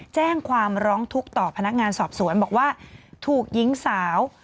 แจ้งความร้องทุกข์ต่อพนักงานสอบสวนบอกว่าถูกหญิงสาว